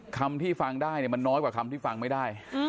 คำที่ฟังได้มันน้อยกว่าคำที่ฟังไม่ได้